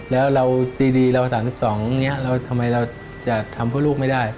แล้วเราตีเรา๓๒นี้ทำไมเราจะทำเพื่อลูกไม่ได้